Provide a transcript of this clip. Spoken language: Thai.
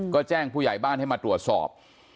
ก็แจ้งผู้ใหญ่บ้านให้มาตรวจสอบ